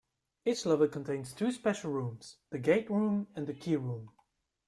Each level contains two special rooms, the 'Gate Room', and the 'Key Room'.